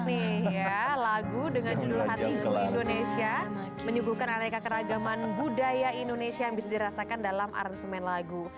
nih ya lagu dengan judul hati indonesia menyuguhkan aneka keragaman budaya indonesia yang bisa dirasakan dalam argumen lagu